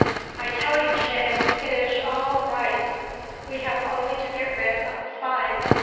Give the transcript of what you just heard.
"I tell you, Shames, it ish all right. We have only to get rid of the spy.